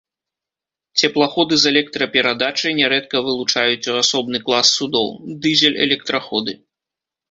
Цеплаходы з электраперадачай нярэдка вылучаюць у асобны клас судоў, дызель-электраходы.